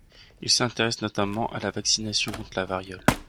Il s’intéresse notamment à la vaccination contre la variole.